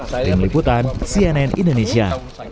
dengan liputan cnn indonesia